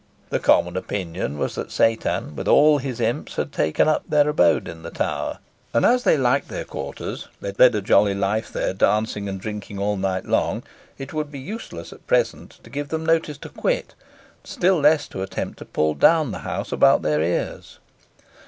The common opinion was, that Satan and all his imps had taken up their abode in the tower, and, as they liked their quarters, led a jolly life there, dancing and drinking all night long, it would be useless at present to give them notice to quit, still less to attempt to pull down the house about their ears.